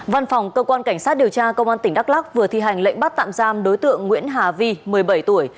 văn phòng cơ quan cảnh sát điều tra công an tỉnh đắk lắc vừa thi hành lệnh bắt tạm giam đối tượng nguyễn hà vi một mươi bảy tuổi